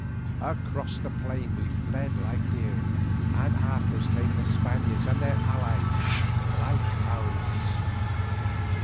Across the plain we fled like deer, and after us came the Spaniards and their allies like hounds.